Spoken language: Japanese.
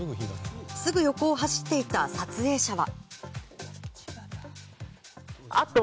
すぐ横を走っていた撮影者は。